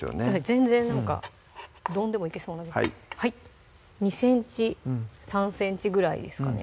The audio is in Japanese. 全然なんか丼でもいけそうなはい２ｃｍ３ｃｍぐらいですかね